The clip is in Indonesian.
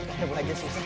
aduh bu aja susah